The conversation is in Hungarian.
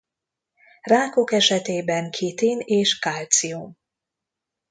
Rákok esetében kitin és kalcium.